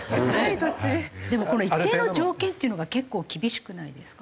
でもこの「一定の条件」っていうのが結構厳しくないですか？